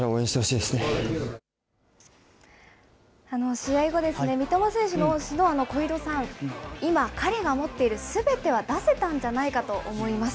試合後ですね、三笘選手の恩師の小井土さん、今、彼が持っているすべては出せたんじゃないかと思います。